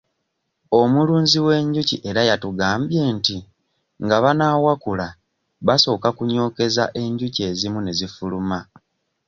Omulunzi w'enjuki era yatugambye nti nga banaawakula basooka kunyookeza enjuki ezimu ne zifuluma.